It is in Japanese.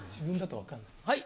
はい。